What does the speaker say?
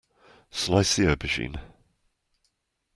Slice the aubergine.